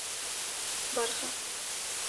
برخه